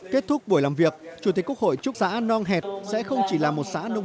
kết thúc buổi làm việc chủ tịch quốc hội chúc xã nong hẹt sẽ không chỉ là một xã nông